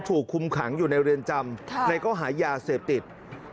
ถูกคุมขังอยู่ในเรือนจำแล้วก็หายาเสพติดนะฮะค่ะ